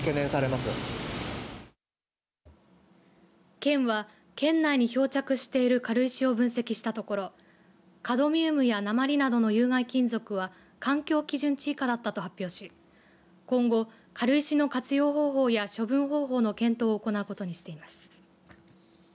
県は、県内に漂着している軽石を分析したところカドミウムや鉛などの有害金属は環境基準値以下だったと発表し今後、軽石の活用方法や処分方法の検討を行うとしています。